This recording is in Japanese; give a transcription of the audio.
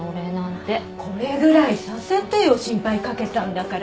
これぐらいさせてよ心配かけたんだから。